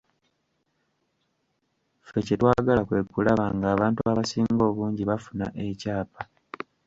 Ffe kye twagala kwe kulaba ng’abantu abasinga obungi bafuna ekyapa.